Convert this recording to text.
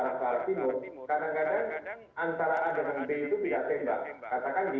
katakan di a bisa tembak